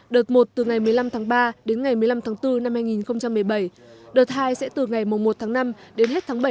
đợt một từ ngày một mươi năm tháng ba đến ngày một mươi năm tháng bốn năm hai nghìn một mươi bảy đợt hai sẽ từ ngày một tháng năm đến hết tháng bảy